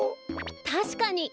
たしかに。